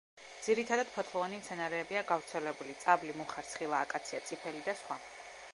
ძირითადად ფოთლოვანი მცენარეებია გავრცელებული; წაბლი, მუხა, რცხილა, აკაცია, წიფელი და სხვა.